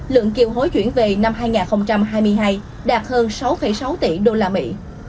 lượng kiều hối chuyển về năm hai nghìn hai mươi hai đạt hơn sáu sáu tỷ đô la mỹ